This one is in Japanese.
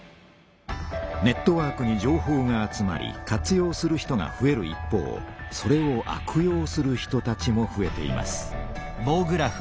ネットワークに情報が集まり活用する人がふえる一方それを悪用する人たちもふえています。